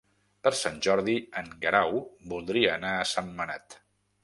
Per Sant Jordi en Guerau voldria anar a Sentmenat.